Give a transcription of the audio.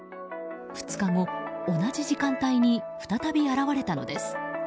２日後、同じ時間帯に再び現れたのです。